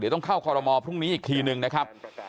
เดี๋ยวต้องเข้าคอลโมพรุ่งนี้อีกทีหนึ่งนะครับ